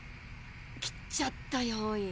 切っちゃったよおい。